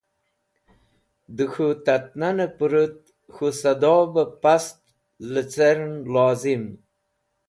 De K̃hu Tat nane Purut K̃hu Sado be Past licern lozim